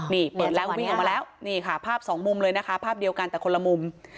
นี่เปิดแล้ววิ่งออกมาแล้วนี่ค่ะภาพสองมุมเลยนะคะภาพเดียวกันแต่คนละมุม